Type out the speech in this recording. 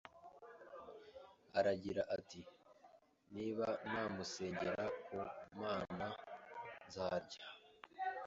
Aragira ati niba ntamusengera ku Mana nzarya